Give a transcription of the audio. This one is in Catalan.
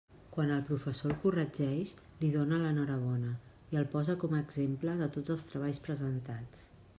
Quan el professor el corregeix, li dóna l'enhorabona i el posa com a exemple de tots els treballs presentats.